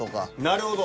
なるほど。